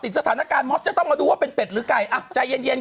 สถานการณ์ม็อตจะต้องมาดูว่าเป็นเป็ดหรือไก่อ่ะใจเย็น